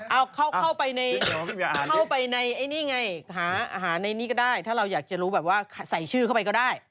เอาเข้าไปในไอ้นี่ไงหาอาหารในนี้ก็ได้ถ้าเราอยากจะรู้แบบว่าใส่ชื่อเข้าไปก็ได้